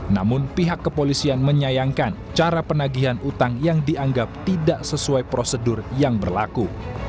namun pihak kepolisian menyayangkan cara penagihan utang yang dianggap tidak sesuai prosedur yang berlaku